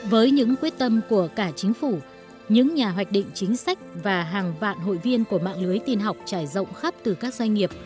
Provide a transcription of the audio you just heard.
với những quyết tâm của cả chính phủ những nhà hoạch định chính sách và hàng vạn hội viên của mạng lưới tin học trải rộng khắp từ các doanh nghiệp